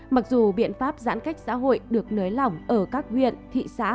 mặc dù biện pháp giãn cách xã hội được nới lỏng ở các huyện thị xã